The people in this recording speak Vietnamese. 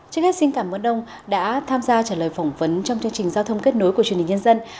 trước hết xin cảm ơn ông đã tham gia trả lời phỏng vấn trong chương trình giao thông kết nối của truyền hình nhân dân